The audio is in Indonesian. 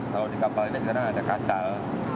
kalau di kapal ini sekarang ada kasal